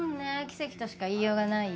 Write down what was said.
奇跡としか言いようがない。